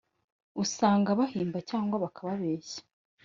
usanga bahimba cyangwa bakabeshya